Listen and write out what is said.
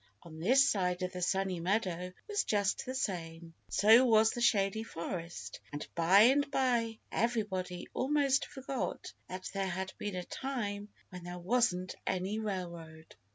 On this side the Sunny Meadow was just the same; so was the Shady Forest, and by and by everybody almost forgot that there had been a time when there wasn't any railroad.